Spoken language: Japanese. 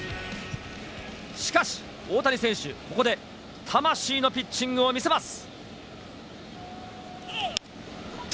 しかし、大谷選手、ここで魂のピッチングを見せます。